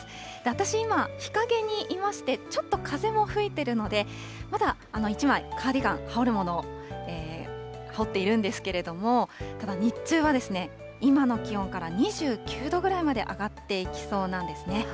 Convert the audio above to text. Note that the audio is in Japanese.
私、今、日陰にいまして、ちょっと風も吹いているので、まだ１枚、カーディガン、羽織るもの、羽織っているんですけれども、ただ日中は、今の気温から２９度ぐらいまで上がっていきそうなんですね。